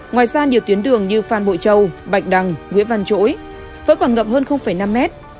ngoài ra nhiều tuyến đường như phan bội châu bạch đăng nguyễn văn chỗi vẫn còn ngập hơn năm mét